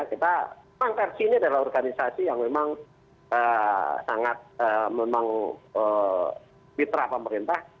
kita memang versi ini adalah organisasi yang memang sangat memang mitra pemerintah